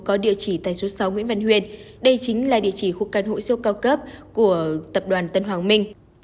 có địa chỉ tại số sáu nguyễn văn huyền đây chính là địa chỉ khu căn hội sô cao cấp của tập đoàn tân hoàng minh